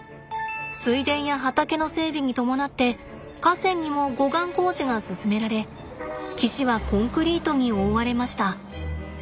水田や畑の整備に伴って河川にも護岸工事が進められ岸はコンクリートに覆われました。